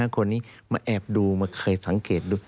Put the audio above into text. คนนี้มาแอบดูมาเคยสังเกตดู